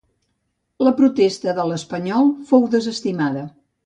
La protesta de l'Espanyol fou desestimada.